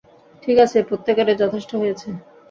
ঠিক আছে, প্রত্যেকেরই যথেষ্ট হয়েছে।